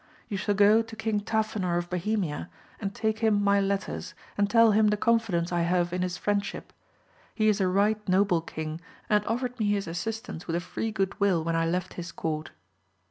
You shall go to King Tafinor of Bohemia, and take him my letters, and tell him the confidence I have in his friendship. He is a right noble King, and offered me his assistance with a free good will when I left his court.